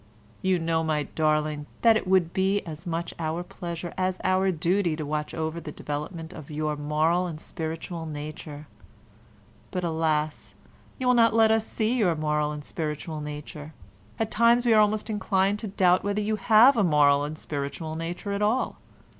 You know, my darling, that it would be as much our pleasure as our duty to watch over the development of your moral and spiritual nature, but alas! you will not let us see your moral and spiritual nature. At times we are almost inclined to doubt whether you have a moral and spiritual nature at all.